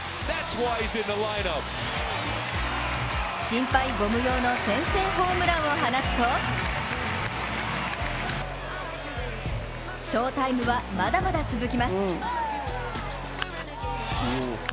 心配ご無用の先制ホームランを放つと翔タイムはまだまだ続きます。